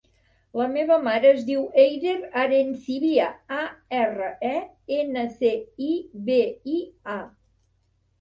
La meva mare es diu Eider Arencibia: a, erra, e, ena, ce, i, be, i, a.